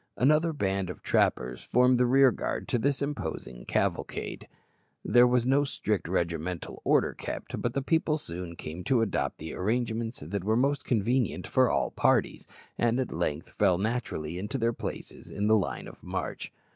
Another band of trappers formed the rear guard to this imposing cavalcade. There was no strict regimental order kept, but the people soon came to adopt the arrangements that were most convenient for all parties, and at length fell naturally into their places in the line of march.